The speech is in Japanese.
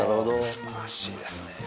すばらしいですね。